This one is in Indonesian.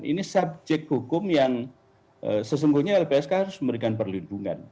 ini subjek hukum yang sesungguhnya lpsk harus memberikan perlindungan